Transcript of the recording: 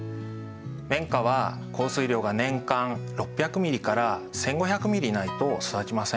綿花は降水量が年間６００ｍｍから１，５００ｍｍないと育ちません。